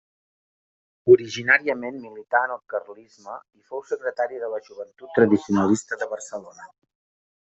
Originàriament milità en el carlisme i fou secretari de la Joventut Tradicionalista de Barcelona.